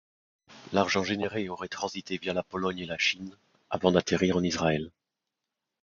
L'argent généré aurait transité via la Pologne et la Chine avant d'atterrir en Israël.